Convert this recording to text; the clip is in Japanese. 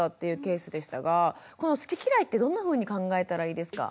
この好き嫌いってどんなふうに考えたらいいですか？